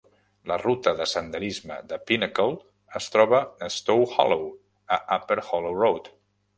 La ruta de senderisme de Pinnacle es troba a Stowe Hollow, a Upper Hollow Road.